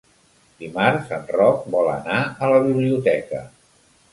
Dimarts en Roc vol anar a la biblioteca.